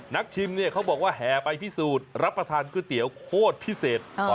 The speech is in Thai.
ชิมเนี่ยเขาบอกว่าแห่ไปพิสูจน์รับประทานก๋วยเตี๋ยวโคตรพิเศษ